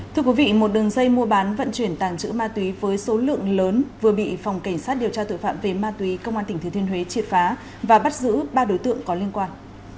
thưa quý vị một đường dây mua bán vận chuyển tàng trữ ma túy với số lượng lớn vừa bị phòng cảnh sát điều tra tội phạm về ma túy công an tỉnh thừa thiên huế triệt phá và bắt giữ ba đối tượng có liên quan